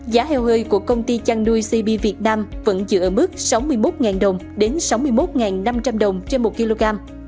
giá heo hơi của công ty chăn nuôi cb việt nam vẫn giữ ở mức sáu mươi một đồng đến sáu mươi một năm trăm linh đồng trên một kg